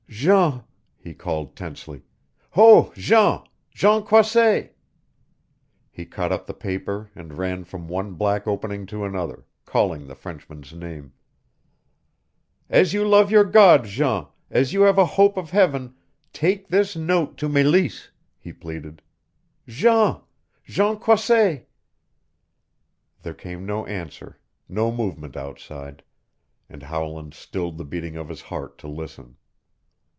"Jean," he called tensely. "Ho, Jean Jean Croisset " He caught up the paper and ran from one black opening to another, calling the Frenchman's name. "As you love your God, Jean, as you have a hope of Heaven, take this note to Meleese!" he pleaded. "Jean Jean Croisset " There came no answer, no movement outside, and Howland stilled the beating of his heart to listen.